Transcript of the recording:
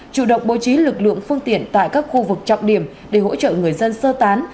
chủ động bố trí lực lượng phương tiện tại các khu vực trọng điểm để hỗ trợ người dân sơ tán